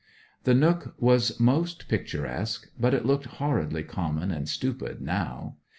The nook was most picturesque; but it looked horridly common and stupid now.